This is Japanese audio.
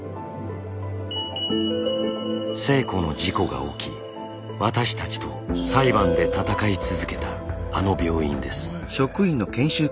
星子の事故が起き私たちと裁判で闘い続けたあの病院です。